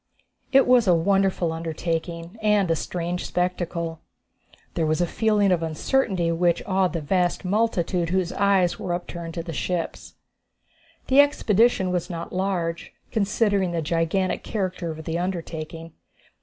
It was a wonderful undertaking and a strange spectacle. There was a feeling of uncertainty which awed the vast multitude whose eyes were upturned to the ships. The expedition was not large, considering the gigantic character of the undertaking.